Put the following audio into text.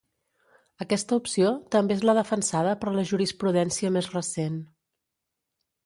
Aquesta opció també és la defensada per la jurisprudència més recent.